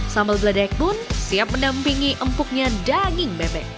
sambal beledek pun siap mendampingi empuknya daging bebek